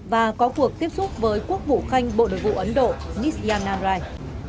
và có cuộc tiếp xúc với quốc vụ khanh bộ đội vụ ấn độ nisya nanrai